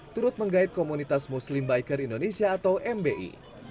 turut menggait komunitas muslim biker indonesia atau mbi